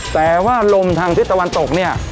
แต่ว่าลมทางทิศตะวันตกเนี่ย